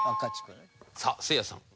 さあせいやさん。